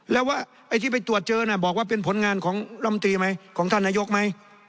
แล้วว่าไอ้ที่ไปตรวจเจอน่ะบอกว่าเป็นผลงานของลำตีไหมของท่านนายกไหม